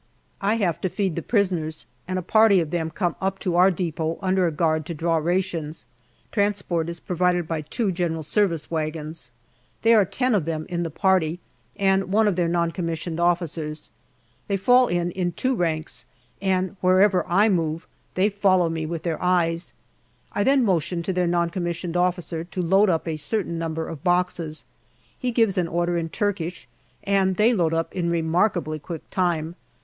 I have to feed the prisoners, and a party of them come up to our depot under a guard to draw rations. Transport is provided by two G.S. wagons. There are ten of them in the party, and one of their N.C.O.'s. They fall in in two ranks, and wherever I move they follow me with 126 GALLIPOLI DIARY their eyes. I then motion to their N.C.O. to load up a certain number of boxes. He gives an order in Turkish, and they load up in remarkably quick time.